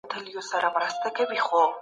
بې له لازمي معلوماتو څخه اجرأت ناقص کیږي.